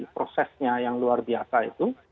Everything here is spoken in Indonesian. prosesnya yang luar biasa itu